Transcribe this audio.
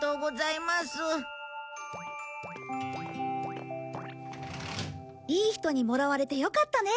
いい人にもらわれてよかったね。